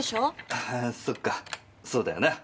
ああそっかそうだよな。